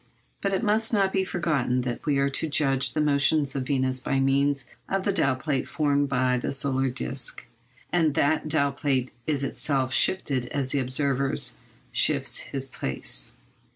But it must not be forgotten that we are to judge the motions of Venus by means of the dial plate formed by the solar disc, and that dial plate is itself shifted as the observer shifts his place.